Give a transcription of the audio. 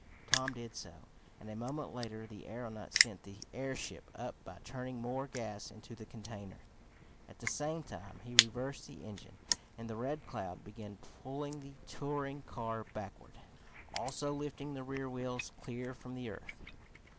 Tom did so, and a moment later the aeronaut sent the airship up by turning more gas into the container. At the same time he reversed the engine and the Red Cloud began pulling the touring car backward, also lifting the rear wheels clear from the earth.